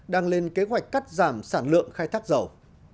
đang lên kế hoạch cắt giảm sản lượng khai thác dầu